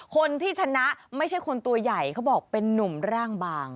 คนที่ชนะไม่ใช่คนตัวใหญ่เขาบอกเป็นนุ่มร่างบาง